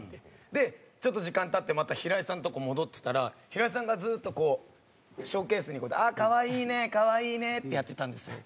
でちょっと時間経ってまた平井さんのとこ戻ったら平井さんがずっとこうショーケースに「ああかわいいねかわいいね」ってやってたんですよ。